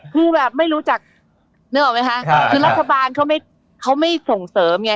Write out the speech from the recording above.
คือแบบไม่รู้จักนึกออกไหมคะคือรัฐบาลเขาไม่ส่งเสริมไง